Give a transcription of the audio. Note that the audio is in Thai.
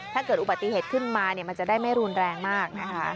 ถ้าเกิดอุบัติเหตุขึ้นมามันจะได้ไม่รุนแรงมากนะคะ